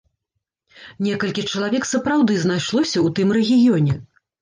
Некалькі чалавек сапраўды знайшлося ў тым рэгіёне!